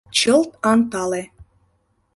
Чылт антале